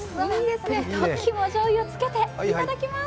肝じょうゆをつけていただきます。